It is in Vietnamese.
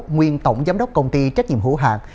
nguyên tổng giám đốc công ty trách nhiệm hữu hạng